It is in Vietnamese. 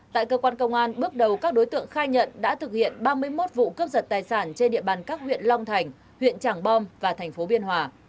tại cơ quan công an bước đầu các đối tượng khai nhận đã thực hiện ba mươi một vụ cướp giật tài sản trên địa bàn các huyện long thành huyện tràng bom và thành phố biên hòa